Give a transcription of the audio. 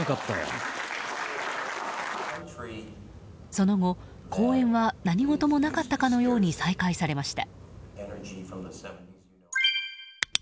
その後、講演は何事もなかったかのように再開されました。